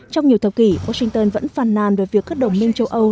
trong nhiều thập kỷ washington vẫn phàn nàn về việc các đồng minh châu âu